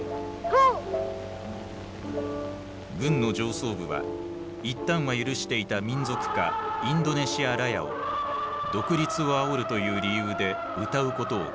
軍の上層部は一旦は許していた民族歌「インドネシアラヤ」を独立をあおるという理由で歌うことを禁じた。